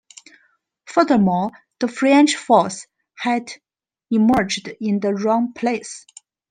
Furthermore, the French force had emerged in the wrong place.